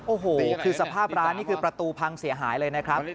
โอ้โหคือสภาพร้านนี่คือประตูพังเสียหายเลยนะครับ